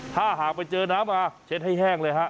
ถ้าหากอิไมอิมินเตอร์เจอน้ำมาเช็ดให้แห้งเลยฮะ